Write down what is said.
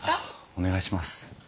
お願いします。